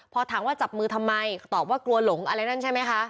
พอถามว่าจับมือทำไมตอบว่ากลัวหลงอะไรนั่นใช่ไหมคะ